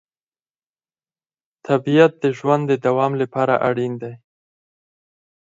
طبیعت د ژوند د دوام لپاره اړین دی